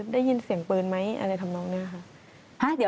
ได้ยินเสียงปืนไหมอะไรทำนองนี้ค่ะ